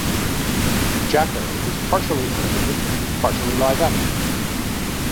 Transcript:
"Jacko" is partially animated, partially live action.